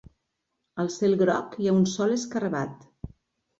Al cel groc hi ha un sol escarabat.